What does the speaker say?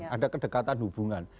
ada kedekatan hubungan